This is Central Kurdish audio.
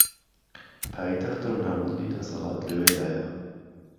پایتەختە و ناوەندی دەسەڵات لەوێدایە